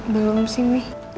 belum sih nwi